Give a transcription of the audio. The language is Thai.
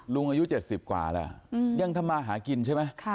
อายุ๗๐กว่าแล้วยังทำมาหากินใช่ไหม